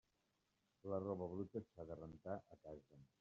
La roba bruta s'ha de rentar a casa.